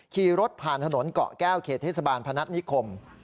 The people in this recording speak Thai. ขี่รถผ่านถนนเกาะแก้วเขตเทศบาลพนัฐนิคม